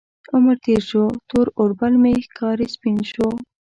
عمر تیر شو، تور اوربل مې ښکاري سپین شو